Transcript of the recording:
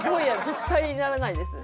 絶対ならないです。